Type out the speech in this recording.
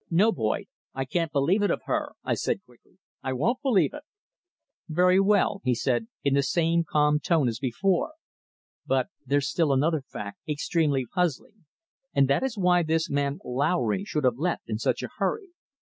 "No, Boyd, I can't believe it of her," I said quickly. "I won't believe it!" "Very well," he said in the same calm tone as before. "But there's still another fact extremely puzzling, and that is why this man Lowry should have left in such a hurry.